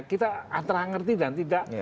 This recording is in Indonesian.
kita antara ngerti dan tidak